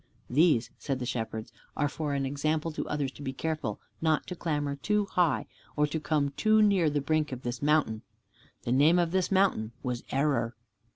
"These," said the Shepherds, "are for an example to others to be careful not to clamber too high, or to come too near the brink of this mountain." The name of this mountain was Error.